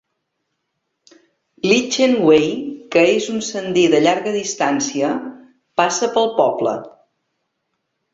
L'Itchen Way, que és un sender de llarga distància, passa pel poble.